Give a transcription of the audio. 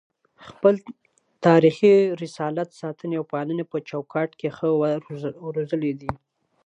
خپل تاریخي رسالت د ساتني او پالني په چوکاټ کي ښه روزلی دی